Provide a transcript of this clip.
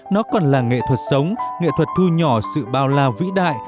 nó còn là nghệ thuật sống nghệ thuật thu nhỏ sự bao lao vĩ đại